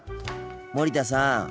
森田さん。